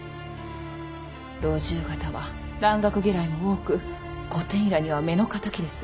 老中方は蘭学嫌いも多く御殿医らには目の敵です。